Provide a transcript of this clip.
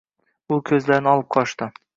U ko‘zlarini olib qochdi.